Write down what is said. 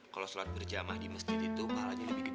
kalau sholat berjamaah di masjid itu mahalnya lebih gede